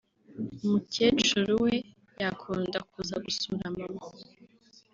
umukecuru we yakunda kuza gusura Maman